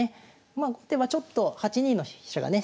まあ後手はちょっと８二の飛車がね